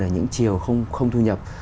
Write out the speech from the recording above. ở những chiều không thu nhập